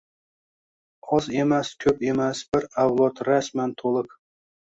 Oz emas-ko‘p emas – bir avlod rasman to‘liq